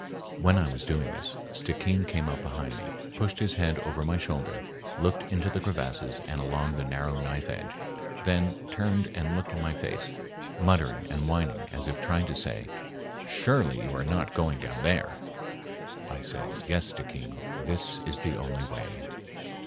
When I was doing this, Stickeen came up behind me, pushed his head over my shoulder, looked into the crevasses and along the narrow knife edge, then turned and looked in my face, muttering and whining as if trying to say, "Surely you are not going down there." I said, "Yes, Stickeen, this is the only way."